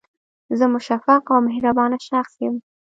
زه مشفق او مهربانه شخص یم